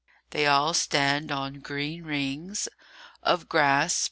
] THEY all stand on green rings Of grass.